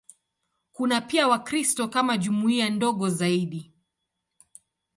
Kuna pia Wakristo kama jumuiya ndogo zaidi.